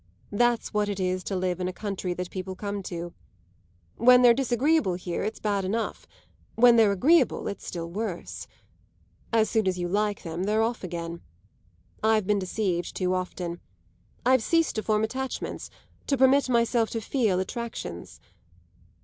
That's what it is to live in a country that people come to. When they're disagreeable here it's bad enough; when they're agreeable it's still worse. As soon as you like them they're off again! I've been deceived too often; I've ceased to form attachments, to permit myself to feel attractions.